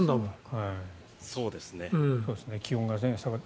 気温が下がって。